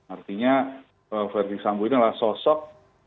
artinya verdi sambo ini adalah sosok